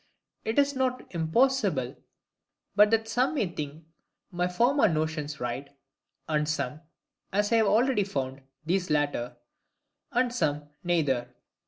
It is not impossible but that some may think my former notions right; and some (as I have already found) these latter; and some neither.